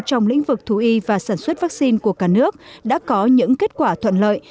trong lĩnh vực thú y và sản xuất vaccine của cả nước đã có những kết quả thuận lợi